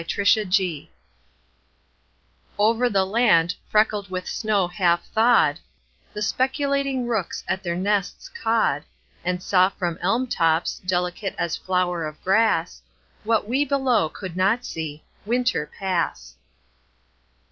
THAW OVER the land freckled with snow half thawed The speculating rooks at their nests cawed And saw from elm tops, delicate as flower of grass, What we below could not see, Winter pass.